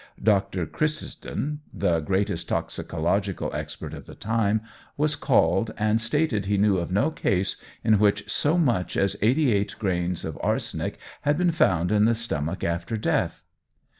Dr. Christison, the greatest toxicological expert of the time, was called, and stated he knew of no case in which so much as eighty eight grains of arsenic had been found in the stomach after death.